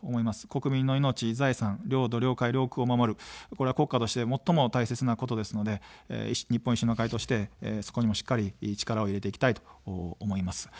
国民の命、財産、領土、領海、領空を守る、これは国家として最も大切なことですので、日本維新の会としてそこにもしっかり力を入れていきたいと思います。